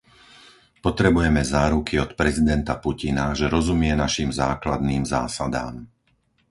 Potrebujeme záruky od prezidenta Putina, že rozumie našim základným zásadám.